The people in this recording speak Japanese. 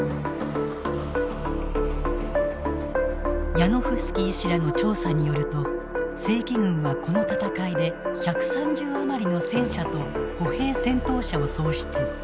ヤノフスキー氏らの調査によると正規軍は、この戦いで１３０余りの戦車と歩兵戦闘車を喪失。